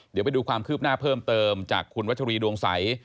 เดี๋ยวไปดูความคืบหน้าเพิ่มเติมจากคุณวัชรีดวงใส